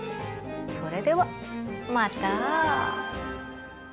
それではまた。